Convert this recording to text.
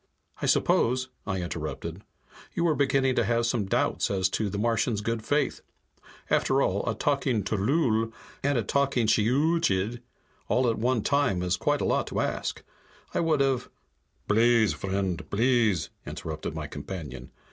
"I suppose," I interrupted, "you were beginning to have some doubts as to the Martian's good faith? After all, a talking tllooll and a talking shiyooch'iid all at one time is quite a lot to ask. I would have " "Blease, vriend, blease!" interrupted my companion.